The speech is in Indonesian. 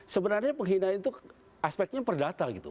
sebenarnya penghinaan itu aspeknya perdata gitu